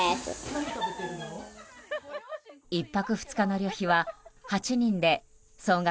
１泊２日の旅費は８人で総額